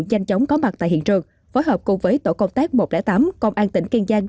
nhanh chóng có mặt tại hiện trường phối hợp cùng với tổ công tác một trăm linh tám công an tỉnh kiên giang